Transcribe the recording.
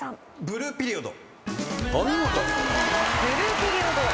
『ブルーピリオド』お見事。